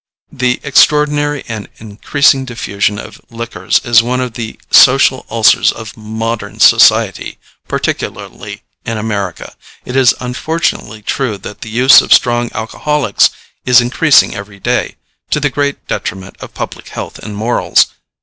The extraordinary and increasing diffusion of liquors is one of the social ulcers of modern society, particularly in America. It is unfortunately true that the use of strong alcoholics is increasing every day, to the great detriment of public health and morals.